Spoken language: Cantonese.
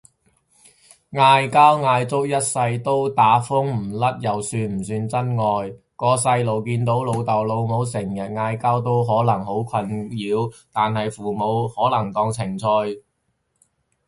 嗌交嗌足一世都打風唔甩又算唔算真愛？個細路見到老豆老母成日嗌交都可能好困擾，但係父母可能當情趣